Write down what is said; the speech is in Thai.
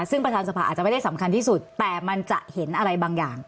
ซึ่งประธานสภาอาจจะไม่ได้สำคัญที่สุดแต่มันจะเห็นอะไรบางอย่าง